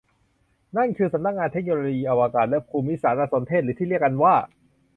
นั้นคือสำนักงานเทคโนโลยีอวกาศและภูมิสารสนเทศหรือที่เรียกกันว่า